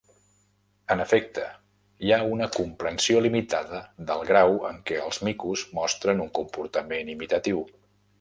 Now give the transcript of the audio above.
En efecte, hi ha una comprensió limitada del grau en què els micos mostren un comportament imitatiu.